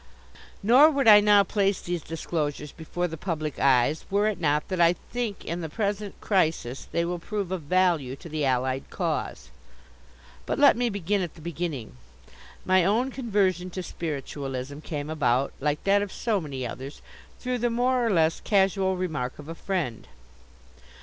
Nor would I now place these disclosures before the public eyes were if not that I think that in the present crisis they will prove of value to the Allied cause. But let me begin at the beginning. My own conversion to spiritualism came about, like that of so many others, through the more or less casual remark of a Friend.